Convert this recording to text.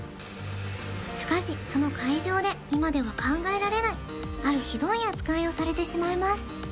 しかしその会場で今では考えられないあるヒドい扱いをされてしまいます